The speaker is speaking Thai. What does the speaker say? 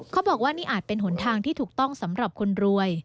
เขาบอกว่านี่อาจเป็นหนทางที่ถูกต้องสำหรับคนรวย